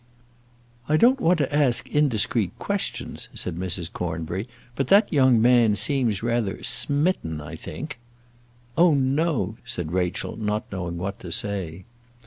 "I don't want to ask indiscreet questions," said Mrs. Cornbury; "but that young man seems rather smitten, I think." "Oh, no," said Rachel, not knowing what to say.